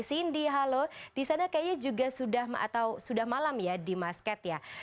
cindy halo disana kayaknya juga sudah malam ya di masket ya